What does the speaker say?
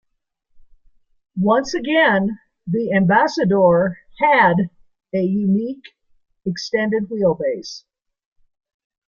Once again the Ambassador had a unique, extended wheelbase.